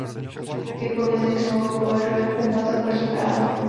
Vypovězení smlouvy považuje firma za protiprávní.